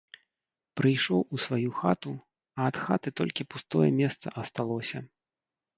Прыйшоў у сваю хату, а ад хаты толькі пустое месца асталося.